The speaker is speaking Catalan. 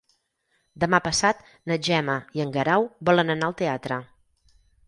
Demà passat na Gemma i en Guerau volen anar al teatre.